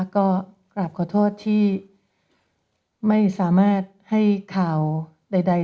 ก็กราบขอโทษที่ไม่สามารถให้ข่าวใด